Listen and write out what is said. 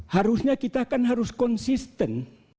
harusnya kita kan harus konsisten